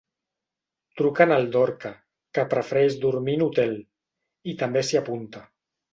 Truquen el Dorca, que prefereix dormir en hotel, i també s'hi apunta.